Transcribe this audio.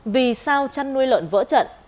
vì sao săn nuôi lợn vỡ trận